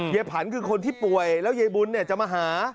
เย้ภันคือคนที่ป่วยแล้วเย้บุ้นจะมาหา